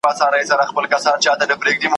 خو دربیږي په سینو کي لکه مات زاړه ډولونه `